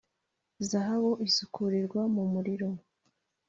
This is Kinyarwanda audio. zahabu isukurirwa mu muriro,